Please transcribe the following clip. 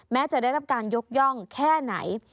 จะได้รับการยกย่องแค่ไหน